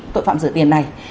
tội phạm sửa tiền này